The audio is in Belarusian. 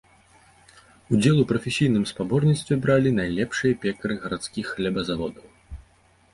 Удзел у прафесійным спаборніцтве бралі найлепшыя пекары гарадскіх хлебазаводаў.